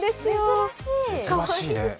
珍しい。